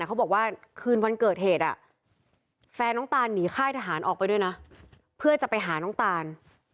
เขาบอกว่าคืนวันเกิดเหตุแฟนน้องตานหนีค่ายทหารออกไปด้วยนะเพื่อจะไปหาน้องตาน